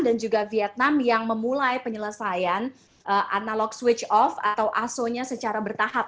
dan juga vietnam yang memulai penyelesaian analog switch off atau asalnya secara bertahap